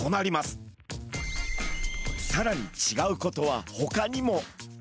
さらにちがうことはほかにも！